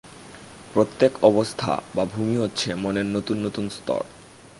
প্রত্যেক অবস্থা বা ভূমি হচ্ছে মনের নতুন নতুন স্তর।